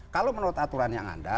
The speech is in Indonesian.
kalau menurut aturan yang ada